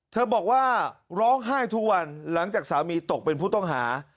บอกว่าร้องไห้ทุกวันหลังจากสามีตกเป็นผู้ต้องหา